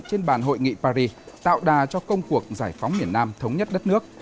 trên bàn hội nghị paris tạo đà cho công cuộc giải phóng miền nam thống nhất đất nước